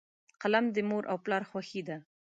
قلم د مور او پلار خوښي ده.